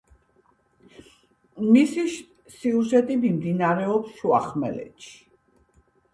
მისი სიუჟეტი მიმდინარეობს შუახმელეთში.